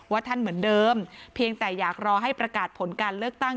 ท่านเหมือนเดิมเพียงแต่อยากรอให้ประกาศผลการเลือกตั้ง